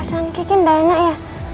perasaan kiki nganyak ya